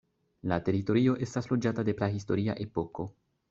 La teritorio estas loĝata de prahistoria epoko.